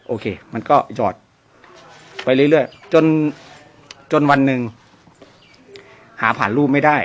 โอเคมันก็หยอดไปเรื่อยจนวันหนึ่งหาผ่านรูปไม่ได้